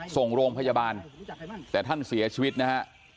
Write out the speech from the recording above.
ส่งโรงพยาบาลแต่ท่านเสียชีวิตนะฮะ